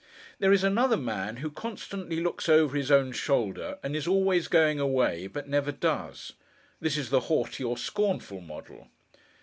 There is another man, who constantly looks over his own shoulder, and is always going away, but never does. This is the haughty, or scornful model.